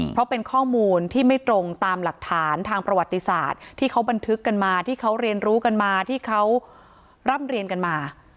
เพราะเป็นข้อมูลที่ไม่ตรงตามหลักฐานทางประวัติศาสตร์ที่เขาบันทึกกันมาที่เขาเรียนรู้กันมาที่เขาร่ำเรียนกันมา